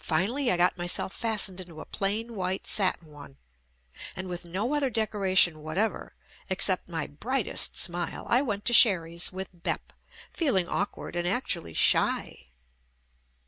Finally I got myself fastened into a plain white satin one, and with no other decoration whatever, except my brightest smile, I went to Sherry's with "Bep" feeling awkward and actually shy.